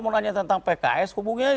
mau nanya tentang pks hubungi